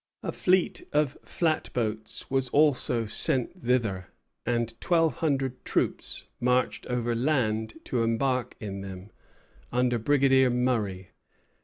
A fleet of flatboats was also sent thither, and twelve hundred troops marched overland to embark in them, under Brigadier Murray.